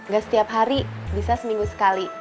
gak setiap hari bisa seminggu sekali